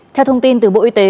theo thông tin từ bộ y tế